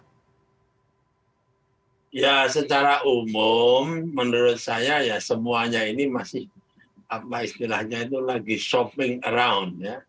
ya secara umum menurut saya ya semuanya ini masih apa istilahnya itu lagi shopping around ya